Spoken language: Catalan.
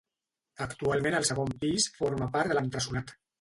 Actualment el segon pis forma part de l'entresolat.